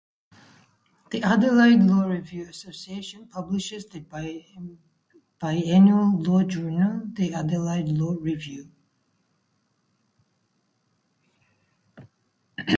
The Adelaide Law Review Association publishes the biannual law journal, the "Adelaide Law Review".